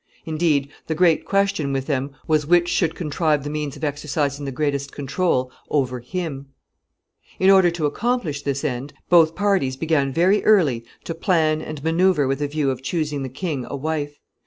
Indeed, the great question with them was which should contrive the means of exercising the greatest control over him. [Sidenote: Plans of the courtiers.] In order to accomplish this end, both parties began very early to plan and manoeuvre with a view of choosing the king a wife.